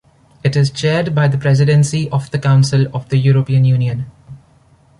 It is chaired by the Presidency of the Council of the European Union.